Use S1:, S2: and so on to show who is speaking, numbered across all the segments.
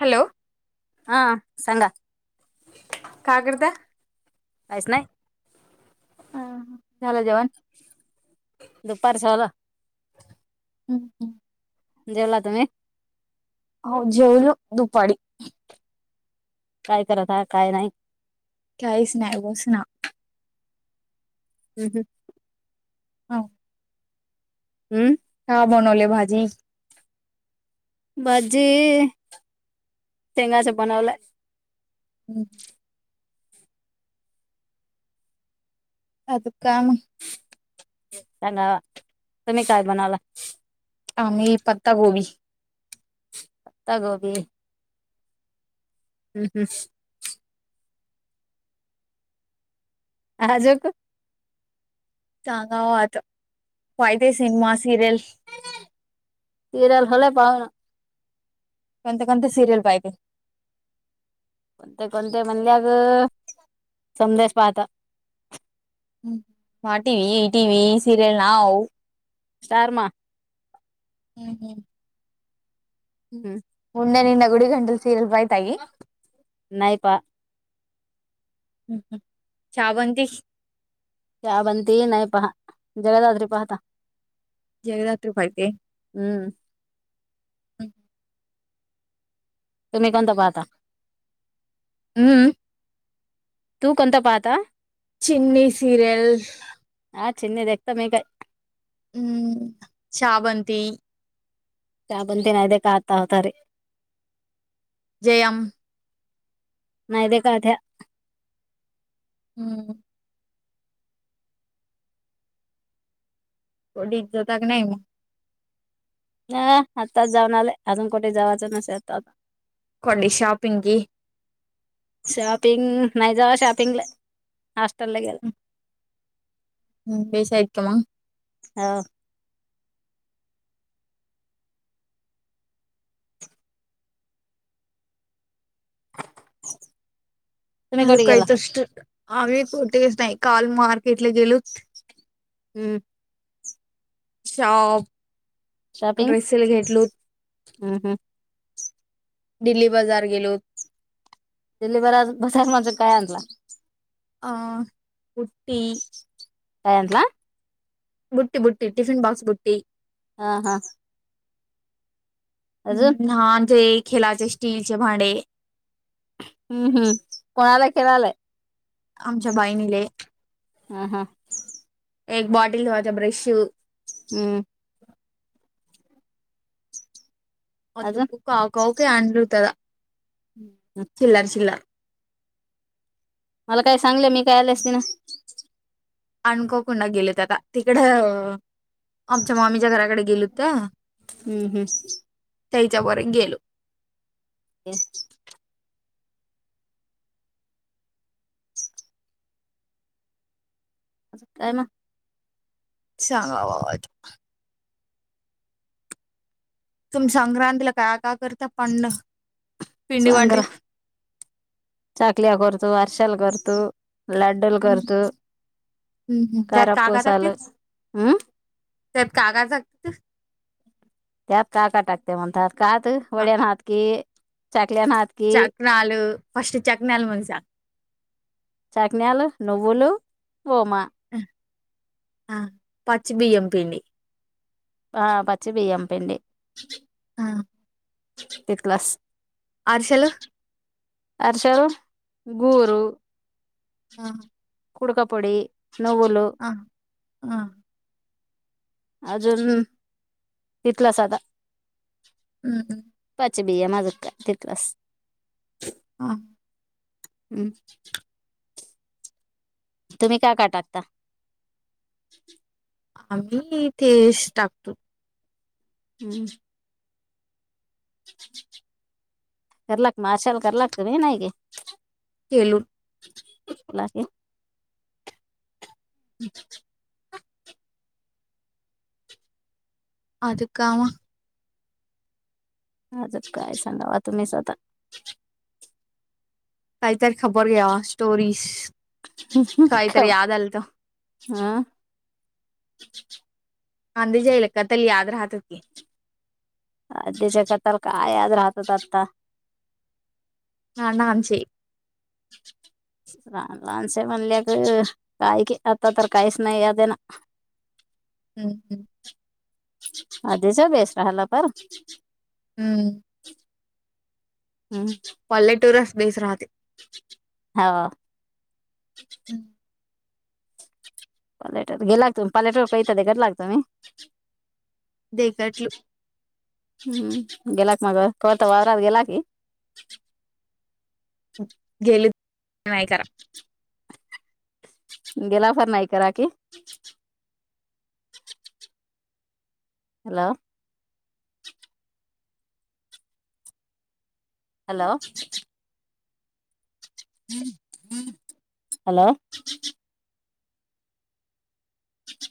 S1: Hello!
S2: हा सांगा
S1: का करताय?
S2: काहीच नाय.
S1: ह झालं जेवण?
S2: दुपार जेवल.
S1: हम्म हम्म
S2: जेवला तुम्ही?
S1: हो जेवलो दुपारी.
S2: काय करत हाय, काय नाही.
S1: काहीच नाय, बस ना.
S2: हम्म हं
S1: हाव
S2: हं
S1: का बनवले भाजी?
S2: भाजी, शेंगाच बनवलं.
S1: हं आता काम
S2: काय नवं, तुम्ही काय बनवलं?
S1: आम्ही पत्ता गोबी.
S2: पत्ता गोबी. हम्म हम्म आज क.
S1: सांगा व आत, फायदे सिनेमा, सिरियलस.
S2: सिरीयल झाले पाहुन.
S1: कोणते, कोणते सिरीयल पाहिते?
S2: कोणते कोणते म्हणल्या ग, समद्याच पाहता.
S1: हं, वा T V, T V serial नाऊ.
S2: स्टारमा.
S1: हम्म ह
S2: हम्म
S1: मुंडनि ईना गुडी घन्टल सिरीयल पाहीताइ?
S2: नाही पहा.
S1: हं हं, छावनतीछ
S2: छावनती नाही पहा, जगदात्री पाहता.
S1: जगदात्री पाहिते?
S2: हम्म
S1: ह
S2: तुम्ही कोणत पाहता?
S1: अ हं
S2: तू कोणता पाहता?
S1: चिनी सिरयल.
S2: हा चिनी देखता मे काय.
S1: हं छावनती.
S2: छावनती नाही देखा हाता होता रे.
S1: जयाम?
S2: नाही देख आठ्या. [inaudible]
S1: हम्म, को डीक जात का नाही मग [inaudible]
S2: ह आत्ताच जाऊन आले, अजून कुठे जावायचं नसेल आ आता.
S1: कोडी शॉपिंगी कि.
S2: शॉपिंग नाही जावा शॉपिंग ला हॉस्टेल ला गेलं.
S1: हम् [inaudible] बसयकमा
S2: हॅलो. तुम्ही कुठे गेला
S1: [unintelligible] काल मार्केट ला गेलो.
S2: हम्म
S1: शप.
S2: शॉपिंग हम्म हम्म हम्
S1: दिल्ली बाजार गेलोत.
S2: दिली बराज, बजार माज काय आणलो.
S1: अ उटी.
S2: काय आणला.
S1: बुटी बुटी टिफिन ब बाक्स बुटी.
S2: हा हा अजून
S1: हम्म हा तेे खेलाचे स्टीलचे भांडे,
S2: हम्म हम्म कोणाला खेळावे.
S1: आमच्या बहिणीले.
S2: हा हा.
S1: एक बॉटल ठेवायच्या ब्रश
S2: हम्म हम्म अजून
S1: अतक काका वक आनरतदा चिल्लर चिल्लर [inaudible]
S2: मला काय सांगलं मी काय आलेस ति ना-
S1: आम्ही कोकणला गेल होत आता, तिकड आमच्या मामीच्या घराकडे गेलं होत
S2: हम्म हम्म
S1: त्याच्या बर गेलो
S2: [unintelligible] काय मग.
S1: चांगला [unintelligible] तुम्ही संक्रांतीला काय का करता पंड पिंडी वातीलल.
S2: चकल्या करतं, [unintelligible] लाडुल करतो
S1: त्यात काका
S2: कारपूसाल
S1: टाकते
S2: ह.
S1: त्यात कागज
S2: त्यात काका टाकते म्हणतात कात वड्यान हात की चाकल्यान हात. की
S1: [inaudible]
S2: चकन्याल [inaudible]
S1: ह ह पच बियम पिंडी [inaudible]
S2: ह पचि बिय्यम पिंडी.
S1: हा
S2: एक ग्लास [inaudible]
S1: आरशल.
S2: अरशार गोर [inaudible]
S1: ह.
S2: कुडकापोली नवल
S1: हा हम.
S2: अजून तिथलंच आता.
S1: हम्म हम्म.
S2: पाच बी माझे बी हायत बास.
S1: हा.
S2: हम. तुम्ही काय काय टाकता?
S1: आम्ही तेश टाकतो.
S2: हम्. करलाग मा अश्याने करु लागत मी नाही गे.
S1: केलून
S2: लागे. हम.
S1: आधी काम
S2: आता काय सांगावा तुम्ही स्वतः.
S1: काहीतर खबर घ्याव. स्टोरीस
S2: हं ह गप्प. ह.
S1: कांदे जेयले का. तले याद राहत होती.
S2: आदीच्या कायतर काय आज राहतच असतात.
S1: हा ना आमचे.
S2: लहान लहानसे म्हणले तर काय की आता तर काहीच नाही याद आहेना.
S1: हम्म हम्म.
S2: आधीच वेस राहिला का.
S1: हम्म.
S2: हम्.
S1: कॉलेट वरच बेस राहते.
S2: हाव.
S1: हम्.
S2: पलटत. गेला की, पलटत वर बिखर लागतो.
S1: दे काठी.
S2: हम्म. गेला की मग कवातर वावरावं गेला की.
S1: गेलीत नाही करा.
S2: गेला असाल नाही का Rakhi. Hello. Hello. Hello.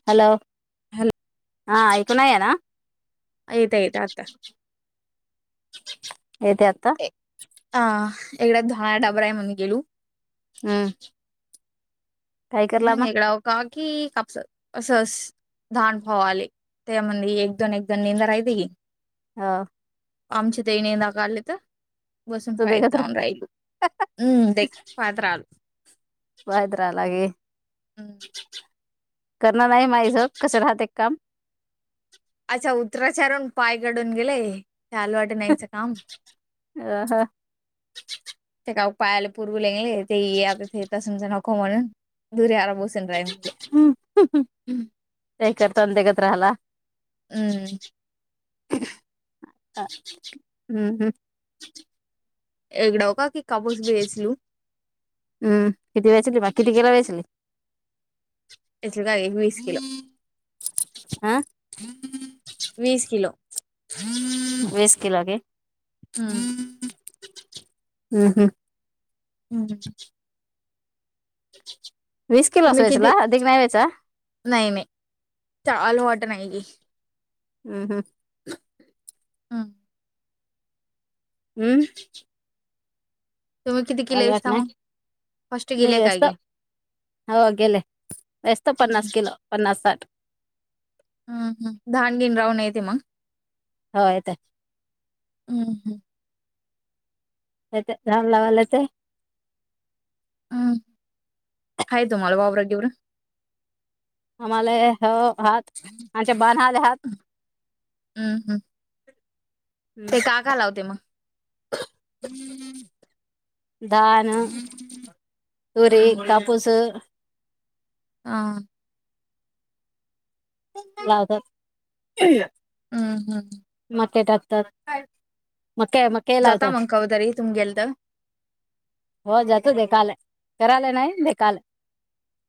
S2: Hello.
S1: [unintelligible]
S2: हा. ऐकू नाही हे ना.
S1: येत येत आता
S2: येते आता.
S1: येते. अ एकड्या दहा डाबरा आहे म्हणून गेलू.
S2: हम्.
S1: आणि एक डाव कावा की अस असस दाखवायल. त्या म्हणली एक दोन एक निंदा कर आहेत की.
S2: हो
S1: आमची ते नेंदा काढली तर बसून
S2: तू
S1: खाईत
S2: देखत
S1: जाऊन राहिली. हम्म. खात राहल.
S2: वायद्रा लागे
S1: हम्म.
S2: करणार हाये माये स कसं राहतय एक काम
S1: अच्छा उतराचारून पाय गडून गेले आलं वाट न्यायचं कामं
S2: अ ह
S1: [unintelligible] [unintelligible]
S2: [unintelligible]
S1: अं हम्म
S2: आ हम्म हम्म
S1: [unintelligible]
S2: [unintelligible]
S1: [unintelligible]
S2: हा
S1: वीस किलो
S2: वीस किलो घे
S1: हूं
S2: हूं हम्म
S1: [unintelligible] तुम्ही किती
S2: [unintelligible]
S1: [unintelligible]
S2: हूं हूं
S1: हूं
S2: हम्म
S1: तुम्ही किती किलो इस्ता मग फर्स्ट गेले काय गे
S2: [unintelligible]
S1: हम्म.
S2: [unintelligible]
S1: [unintelligible]
S2: हो, येतंय.
S1: हूं हम्म
S2: [unintelligible]
S1: [unintelligible]
S2: [unintelligible]
S1: हूं हूं, ते का का लावते म
S2: धानं, तुरी,
S1: हम्म.
S2: कापूसं
S1: आ
S2: लावतात.
S1: हूं, हम्म
S2: मक्या टाकतात. मक्याय म
S1: जाता मंग कवा तरी, इथून गेल तं
S2: हो, जातो देखालय. करायले नाय देखाले.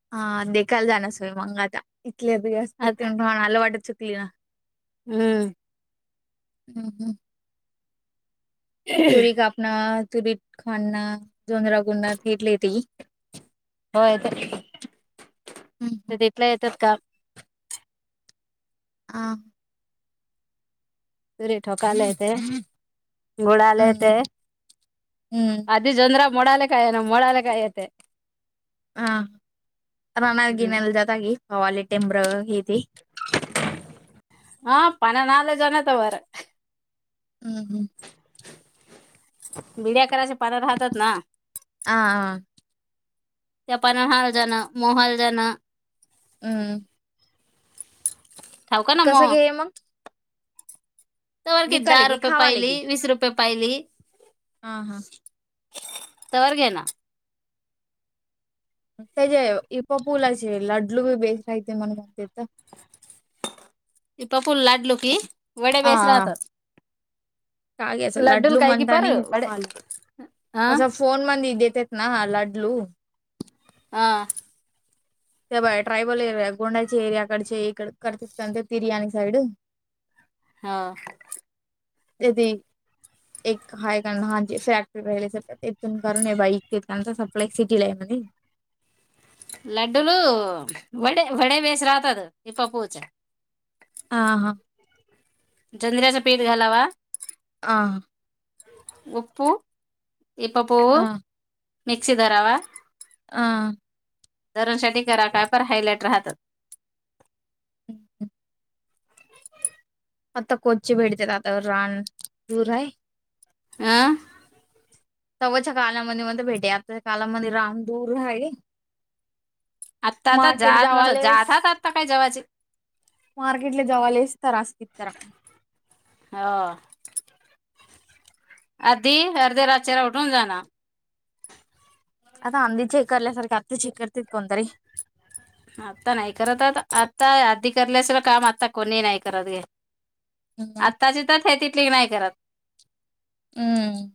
S1: [unintelligible]
S2: हम्म
S1: [unintelligible] तुरी कापण, तुरी खाडणं, जोनरा [unintelligible]
S2: हो, येतंय.
S1: हम्म.
S2: ते तिथल्या तिथंच काम
S1: आं
S2: तुरी ठोकायला येतेय. गुळाला
S1: हम्म.
S2: येतेय. आज ते जोंदरा, मोडाले काय ना मोडाले काय येते?
S1: हा, रानात
S2: हम्म
S1: गिनायला जातागे? हवाला टेमरं हे ते.
S2: हा, पाण्यानं आला जणातवर.
S1: हम्म हम्म.
S2: बिड्या करायच्या पानं राहतात ना.
S1: आ आ आ.
S2: त्या पानं हाळ जाणं, मोहाल जाणं.
S1: हम्म.
S2: ठाऊका ना म.
S1: कसं घे मग
S2: तवर कि दहा रुपये पायली, वीस रुपये पायली.
S1: हा हा.
S2: तवर घे ना.
S1: त्याचे इपोपुुलाचे लाड्लू बी बेच राहिते म्हण म्हणते तर.
S2: ईपापूल लाडलू की, वडे
S1: आ,
S2: बेस
S1: आ.
S2: राहतं.
S1: काय घ्यायचं लाडलू
S2: काय की पार
S1: म्हणतानील.
S2: वडे
S1: हॉल
S2: हा
S1: असं फ फोन मंदी देतेत ना लाडलू.
S2: आ.
S1: ते बा ट्रायबल एरिया गोंड्याची एरियाकडचे इकडं करत तिरिया आणि साईड
S2: हां.
S1: दिल्ति. एक हाय का न, हा जे फॅक्टरी राहिले स इथून करून आहे बाईक एक सप्लाय एक सिटीला आहे म्हणे.
S2: लाड्डलू वडे, वडे बेच राहतात इपपूचे.
S1: आ हां.
S2: जणऱ्याचा पीठ घालावा.
S1: आ.
S2: वूप्पू,, इपपवू मिक्सी धरावा.
S1: आ.
S2: दररोज साठी करा काय पण हायलाइट राहत.
S1: [inaudible] आत्ता कोची भेटतेेत आतावर रान दूर आहे.
S2: आ.
S1: [inaudible] तवाच्या कालामध्ये म निवांत भेटू या. आताच्या कालामध्ये रामदूर आहे.
S2: आत्ता तर
S1: मार्केट
S2: जात नसो.
S1: जावालेस
S2: जातात आता काय जवळचे.
S1: मार्केटला जवाले तर त्रास होतं.
S2: हो. आदी हेअर जरा चेहरा उठून जाणार.
S1: आता अंदि चेक करल्यासारखे अति चेक करतात कोणतरी.
S2: आता नाही करत आता आत्ता आधी करल्याशिवा काम आता कोणी नाही करत हे.
S1: हं,
S2: आत्ता जिथत हे तिथली नाही करत.
S1: हम्म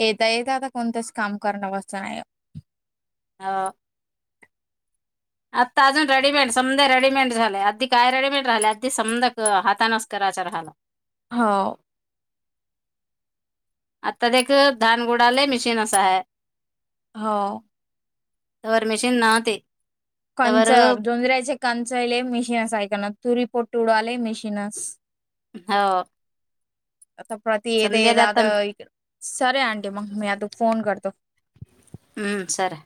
S1: येता येता आता कोणतच काम करण अवस नाही आहे.
S2: हो. आत्ता अजून रेडीमेड समद रेडीमेड झालय आता काय रेडीमेड राहिले अगदी समद हातानच करायच राहाला.
S1: हो.
S2: आत्ता देख धान गोडाले मिशीनच आहे.
S1: हो.
S2: मशीन ना ते.
S1: कंच जोंजरायचे कंच येले म मिशीनस ऐकणार तुरी पोट उड आले मिशीनस.
S2: हो.
S1: आता प्रति
S2: समजेल आता
S1: सरे अं मग मी अता फोन करतो.
S2: हा सारे.